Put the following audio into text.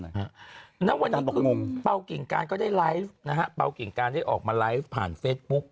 น้องวันนั้นบอกว่าเป้าเก่งการก็ได้ไลฟ์นะฮะเป้าเก่งการได้ออกมาไลฟ์ผ่านเฟซบุ๊ค